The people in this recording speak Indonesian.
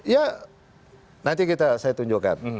ya nanti saya tunjukkan